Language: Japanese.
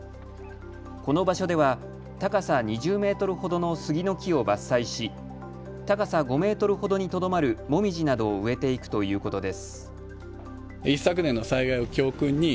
この場所では高さ２０メートルほどの杉の木を伐採し、高さ５メートルほどにとどまるもみじなどを植えていくということです。